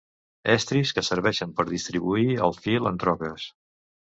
Estris que serveixen per distribuir el fil en troques.